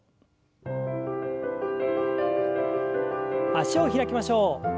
脚を開きましょう。